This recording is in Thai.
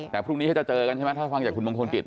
แต่พรุ่งนี้เขาจะเจอกันใช่ไหมถ้าฟังจากคุณมงคลกิจ